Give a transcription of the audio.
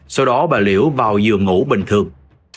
sau đó bà liễu vào giường ngủ bình thường